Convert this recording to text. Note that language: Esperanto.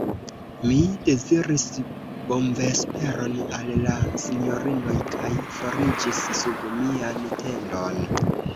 Mi deziris bonvesperon al la sinjorinoj, kaj foriĝis sub mian tendon.